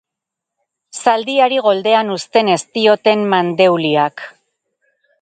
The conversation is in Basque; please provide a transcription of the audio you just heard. Zaldiari goldean uzten ez dioten mandeuliak.